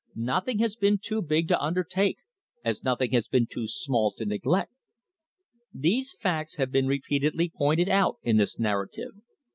Nothing has been too big to undertake, as nothing has been too small to neglect. These facts have been repeatedly pointed out in this narrative.